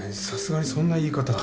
さすがにそんな言い方。